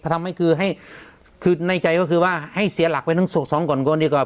ทำให้คือให้คือในใจก็คือว่าให้เสียหลักไปทั้งสองก่อนก่อนดีกว่า